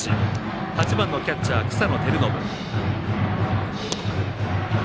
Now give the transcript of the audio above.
８番のキャッチャー、草野晃伸。